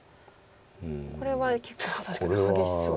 これは結構確かに激しそうですね。